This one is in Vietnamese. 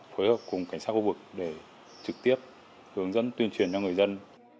phối hợp cùng cảnh sát khu vực để trực tiếp hướng dẫn tuyên truyền cho người dân